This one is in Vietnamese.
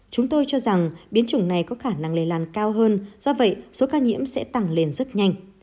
chúng tôi cho rằng biến chủng này có khả năng lây lan cao hơn do vậy số ca nhiễm sẽ tăng lên rất nhanh